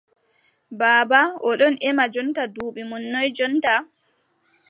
Baaba, o ɗon ƴema jonta duuɓi mon noy jonta ?